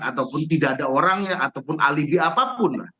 ataupun tidak ada orangnya ataupun alibi apapun lah